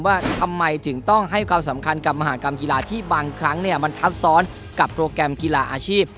ว่าทำไมถึงต้องให้ความสำคัญกับมหากรรมกีฬาที่บางครั้งมันทับซ้อนกับโปรแกรมกีฬาอาชีพ